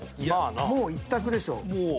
もう一択でしょう。